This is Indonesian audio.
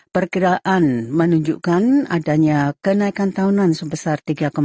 perkiraan menunjukkan adanya kenaikan tahunan sebesar tiga empat